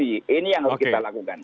ini yang harus kita lakukan